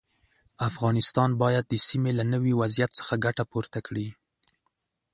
افغانستان باید د سیمې له نوي وضعیت څخه ګټه پورته کړي.